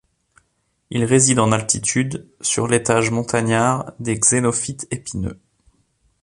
Il réside en altitude, sur l'étage montagnard des xénophytes épineux.